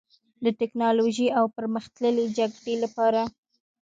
د ټیکنالوژۍ او پرمختللې جګړې لپاره